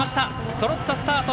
そろったスタート。